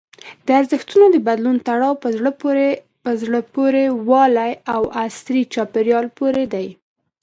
د ارزښتونو د بدلون تړاو په زړه پورې والي او عصري چاپېریال پورې دی.